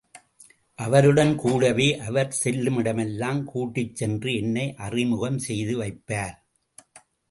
அவருடன் கூடவே அவர் செல்லுமிடமெல்லாம் கூட்டிச் சென்று என்னை அறிமுகம் செய்து வைப்பார்.